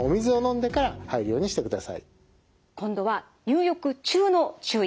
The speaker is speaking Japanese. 今度は入浴中の注意